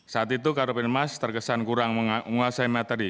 saat itu karupen mas terkesan kurang menguasai materi